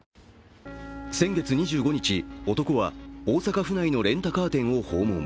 先月２５日、男は大阪府内のレンタカー店を訪問。